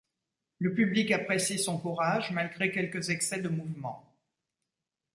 Le public apprécie son courage, malgré quelques excès de mouvement.